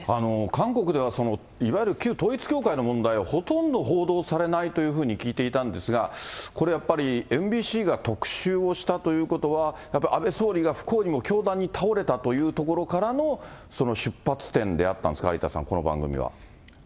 韓国ではいわゆる旧統一教会の問題、ほとんど報道されないというふうに聞いていたんですが、これやっぱり、ＭＢＣが特集をしたということは、やっぱり、安倍総理が不幸にも凶弾に倒れたというところからの出発点であったんですか、有田さん、この番組は。